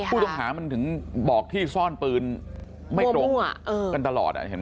ผู้ต้องหามันถึงบอกที่ซ่อนปืนไม่ตรงกันตลอดเห็นไหม